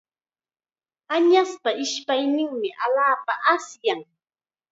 Añaspa ishpayninmi allaapa asyan.